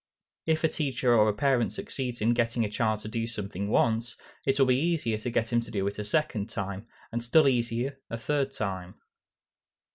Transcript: If a teacher or a parent succeeds in getting a child to do a thing once, it will be easier to get him to do it a second time, and still easier a third time.